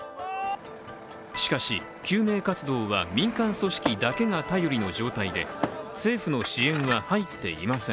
しかし救命活動は民間組織だけが頼りの状態で、政府の支援は入っていません。